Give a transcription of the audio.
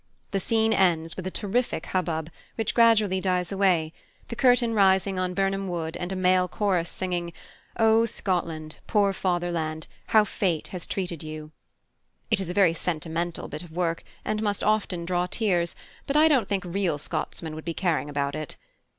The scene ends with a terrific hubbub, which gradually dies away, the curtain rising on Birnam Wood and a male chorus singing "O Scotland, poor fatherland, how has fate treated you!" It is a very sentimental bit of work, and must often draw tears; but I don't think real Scotsmen would be caring about it.